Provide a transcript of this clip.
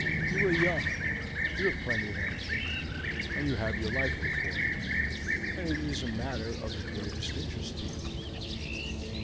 You are young, you have plenty of energy, and you have your life before you, and it is a matter of the greatest interest to you.